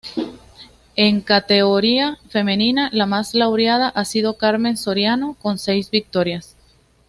En categoría femenina la más laureada ha sido Carmen Soriano, con seis victorias.